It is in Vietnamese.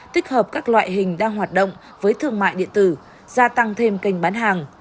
tích hợp các loại hình đang hoạt động với thương mại điện tử gia tăng thêm kênh bán hàng